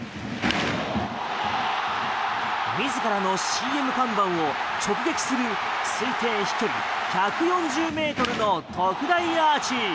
自らのＣＭ看板を直撃する推定飛距離１４０ｍの特大アーチ。